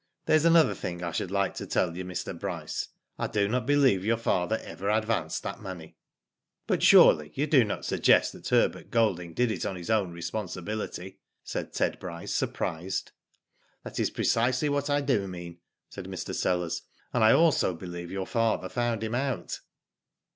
There is another thing I should like to tell you, Mr. Bryce. I do not believe your father ever advanced that money." But surely you do not suggest that Herbert Digitized byGoogk THE COLT BY PHANTOM, 215 Golding did it on his own responsibility," said Ted Bryce, surprised. "That is precisely what I do mean," said Mr. Sellers. "And I also believe your father found him out.